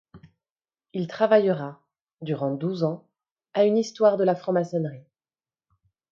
Il travaillera, durant douze ans, à une histoire de la franc-maçonnerie.